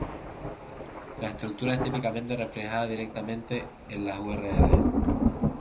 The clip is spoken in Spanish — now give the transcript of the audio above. La estructura es típicamente reflejada directamente en las urls.